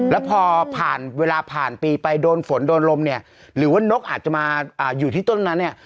แล้วพอผ่านเวลาผ่านปีไปโดนฝนโดนลมเนี่ยหรือว่านกอาจจะมาอยู่ที่ต้นนั้นเนี่ย